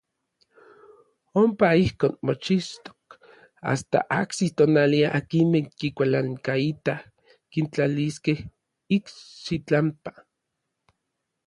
Ompa ijkon mochixtok asta ajsis tonali akinmej kikualankaitaj kintlaliskej ikxitlampa.